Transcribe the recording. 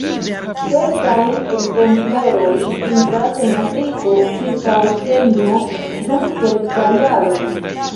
Kelkaj ekzempleroj vintras en Afriko ĉirkaŭ Kenjo dum kelkaj jaroj.